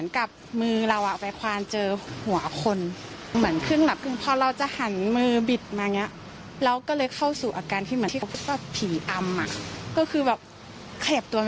ก็คือแบบขยับตัวไม่ได้เลยเกรงไปเลย